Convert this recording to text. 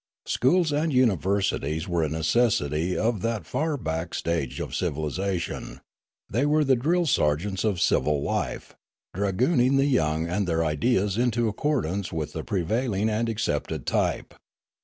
Schools and universities were a necessity of that far back stage of civilisation ; they were the drill sergeants of civil life, dragooning the young and their ideas into accordance with the prevailing and accepted type.